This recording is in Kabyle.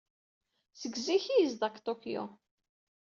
Seg zik ay yezdeɣ deg Tokyo.